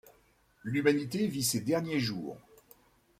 L'humanité vit ses derniers jours.